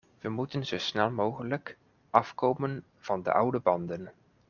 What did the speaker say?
We moeten zo snel mogelijk afkomen van de oude banden.